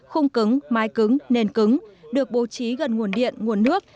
khung cứng mái cứng nền cứng được bố trí gần nguồn điện nguồn nước